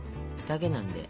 だけなんで。